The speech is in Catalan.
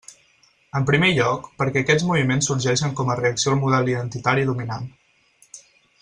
En primer lloc, perquè aquests moviments sorgeixen com a reacció al model identitari dominant.